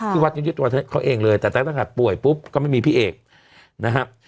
ที่วัดยุทธิตรวจเขาเองเลยแต่ตั้งแต่ถ้าป่วยปุ๊บก็ไม่มีพี่เอกนะฮะ